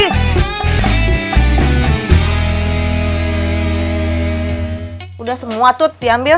sudah semua tut diambil